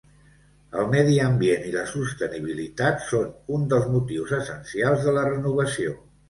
El medi ambient i la sostenibilitat són un dels motius essencials de la renovació.